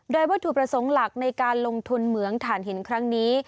โดยวัตถุประสงค์หลักในการลงทุนเหมืองฐานหินครั้งนี้